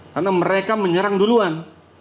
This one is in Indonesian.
karena mereka menyerang duluan